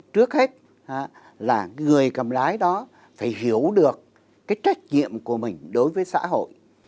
trước hết là người cầm lái đó phải hiểu được cái trách nhiệm của mình đối với xã hội